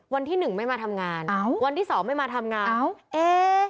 วันที่หนึ่งไม่มาทำงานอ้าววันที่สองไม่มาทำงานอ้าวเอ๊